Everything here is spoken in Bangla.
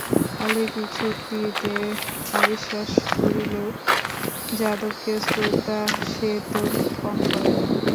অলৌকিক শক্তিতে অবিশ্বাস করিলেও যাদবকে শ্রদ্ধা সে তো কম করে না।